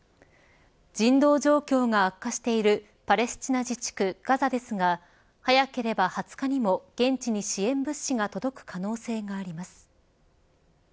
人道状況が悪化しているパレスチナ自治区ガザですが早ければ２０日にも現地に支援物資が届く可能性があります。